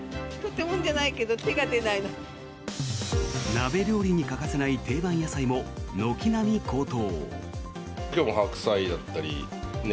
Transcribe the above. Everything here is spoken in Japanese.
鍋料理に欠かせない定番野菜も軒並み高騰。